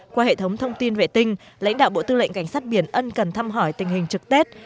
qua hệ thống thông tin vệ tinh lãnh đạo bộ tư lệnh cảnh sát biển ân cần thăm hỏi tình hình trực tết